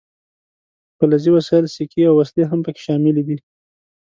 فلزي وسایل سیکې او وسلې هم پکې شاملې دي.